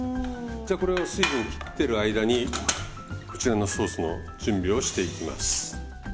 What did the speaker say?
じゃこれは水分切ってる間にこちらのソースの準備をしていきます。